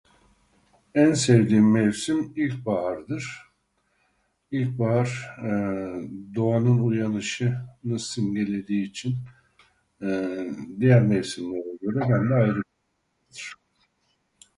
En sevdiğim mevsim ilkbahardır. İlkbahar, ee, doğanın uyanışını simgelediği için, ee, diğer mevsimlere göre bende ayrı bir yerdedir.